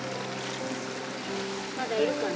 まだいるかな？